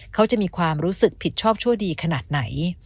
เขาจะมีความรู้สึกผิดชอบชั่วดีขนาดไหน